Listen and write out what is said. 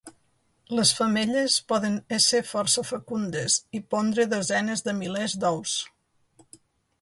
Les femelles poden ésser força fecundes i pondre desenes de milers d'ous.